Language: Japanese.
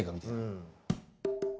うん。